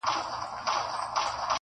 اووم دوږخ دي ځای د کرونا سي--!